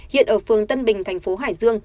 hiện ở phường tân bình thành phố hải dương